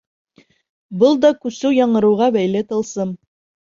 Был да күсеү-яңырыуға бәйле тылсым.